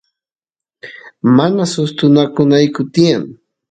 mana sustukunayku tiyan